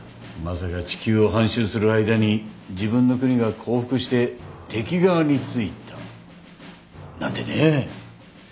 まさか地球を半周する間に自分の国が降伏して敵側に付いたなんてね。